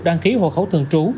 đăng ký hộ khẩu thường trú